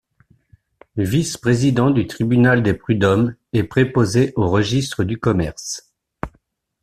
Vice-président du tribunal des prud'hommes et préposé au registre du commerce.